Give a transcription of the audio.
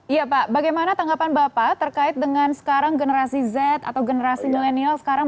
iya pak bagaimana tanggapan bapak terkait dengan sekarang generasi z atau generasi milenial sekarang